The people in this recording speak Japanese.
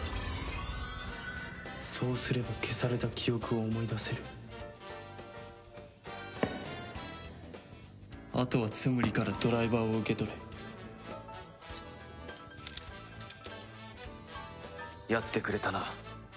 「そうすれば消された記憶を思い出せる」「後はツムリからドライバーを受け取れ」やってくれたな。